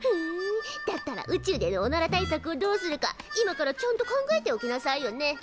だったら宇宙でのおなら対策をどうするか今からちゃんと考えておきなさいよね。